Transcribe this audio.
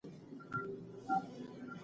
امر وویل چې د خلکو د ژوند کچه باید لوړه سي.